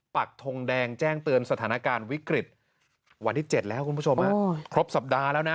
ปักทงแดงแจ้งเตือนสถานการณ์วิกฤตวันที่๗แล้วคุณผู้ชมครบสัปดาห์แล้วนะ